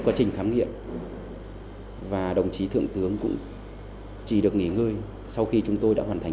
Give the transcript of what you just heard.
cứ chế hình thương tích những con dao đấy